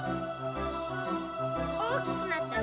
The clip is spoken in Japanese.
大きくなったね。